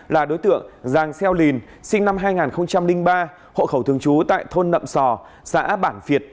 là đối tượng giàng xeo lìn sinh năm hai nghìn ba hộ khẩu thường trú tại thôn nậm sò xã bản việt